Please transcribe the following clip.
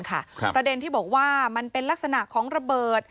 ประเด็นที่บอกว่ามันเป็นลักษณะของระเบิด